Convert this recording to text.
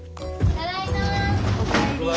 ただいま。